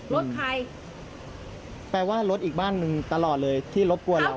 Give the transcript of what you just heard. รถใครแปลว่ารถอีกบ้านหนึ่งตลอดเลยที่รบกวนเรา